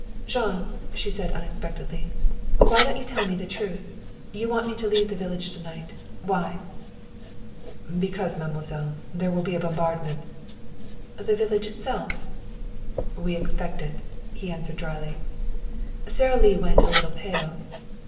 "Jean," she said unexpectedly, "why don't you tell me the truth? You want me to leave the village to night. Why?" "Because, mademoiselle, there will be a bombardment." "The village itself?" "We expect it," he answered dryly. Sara Lee went a little pale.